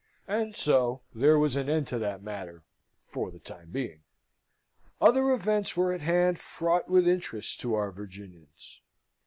And so there was an end to that matter for the time being. Other events were at hand fraught with interest to our Virginians.